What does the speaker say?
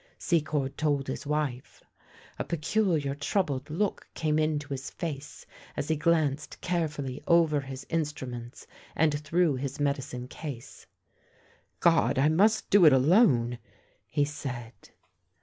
Secord told his wife. A peculiar troubled look came into his face as he glanced carefully over his instruments and through his medicine case. " God ! I must do it alone," he said.